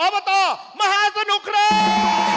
บตมหาสนุกครับ